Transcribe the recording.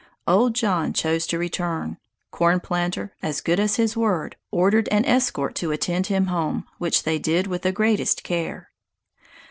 Old John chose to return. Corn Planter, as good as his word, ordered an escort to attend him home, which they did with the greatest care.